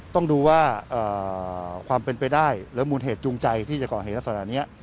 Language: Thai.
ต้องดูว่าความเป็นไปได้หรือมูลเหตุจูงใจที่จะก่อเหตุลักษณะนี้